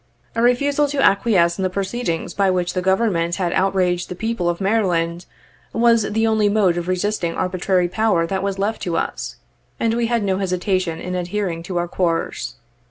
A refusal to acquiesce in the proceedings by which the Government had outraged the people of Maryland, was the only mode of resisting arbitrary power that was left to us, and we had no hesitation in adhering to our course.